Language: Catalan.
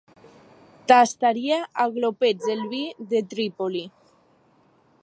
Tastaria a glopets el vi de Trípoli.